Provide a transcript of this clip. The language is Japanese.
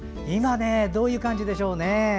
今、どういう感じでしょうね。